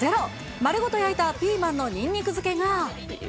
丸ごと焼いたピーマンのにんにく漬けが。